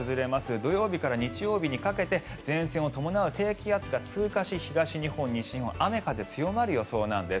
土曜日から日曜日にかけて前線を伴う低気圧が通過し東日本、西日本雨風強まる予想なんです。